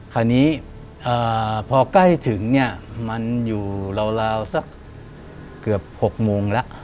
คราวนี้พอใกล้ถึงเนี่ยมันอยู่ราวสักเกือบ๖โมงแล้ว